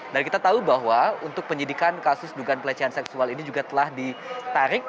dan kita tahu bahwa untuk penyidikan kasus dugaan pelecehan seksual ini juga telah ditarik